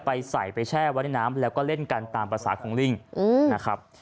ไปใส่ไปแช่วะในน้ำแล้วก็เล่นกันตามประสาทของลิงอืมนะครับ